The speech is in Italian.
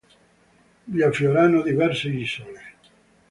Vi affiorano diverse isole.